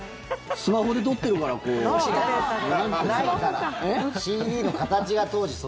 スマホで撮ってるからこう。